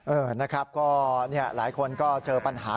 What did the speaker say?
เออนะครับก็หลายคนก็เจอปัญหา